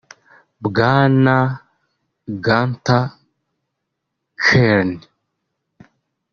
bwana Gunter Kern